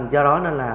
do đó nên là